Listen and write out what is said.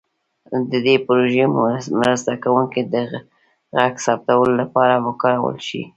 د دې پروژې مرسته کوونکي د غږ ثبتولو لپاره وکارول شي.